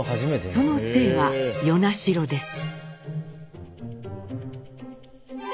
その姓は与那城です。